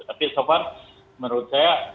tapi so far menurut saya